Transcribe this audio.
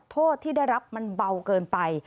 โทษที่ได้รับมันเบาเกินไป